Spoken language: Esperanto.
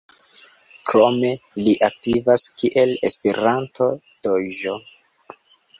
Krome li aktivas kiel Esperanto-DĴ.